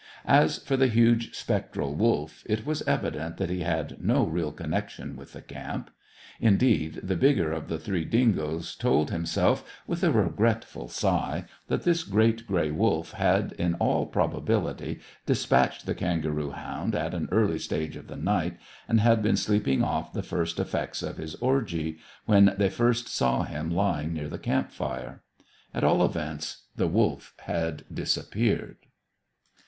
As for the huge spectral wolf, it was evident that he had no real connection with the camp. Indeed, the bigger of the three dingoes told himself, with a regretful sigh, that this great grey wolf had in all probability dispatched the kangaroo hound at an early stage of the night, and had been sleeping off the first effects of his orgy, when they first saw him lying near the camp fire. At all events, the wolf had disappeared.